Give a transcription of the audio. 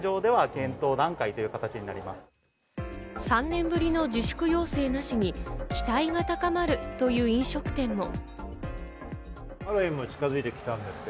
３年ぶりの自粛要請なしに期待が高まるという飲食店も。